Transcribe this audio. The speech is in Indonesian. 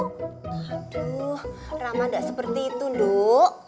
aduh ramah gak seperti itu duk